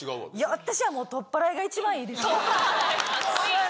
私は取っ払いが一番いいですね。